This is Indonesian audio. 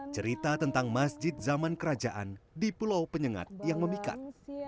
cerita tentang masjid zaman kerajaan di pulau penyengat yang memikat